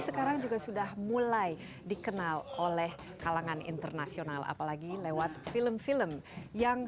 sekarang juga sudah mulai dikenal oleh kalangan internasional apalagi lewat film film yang